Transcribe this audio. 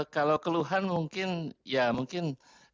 kalau keluhan mungkin ya mungkin